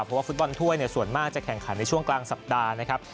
เพราะว่าฟุตบอลถ้วยส่วนมากจะแข่งขันในช่วงกลางสัปดาห์นะครับ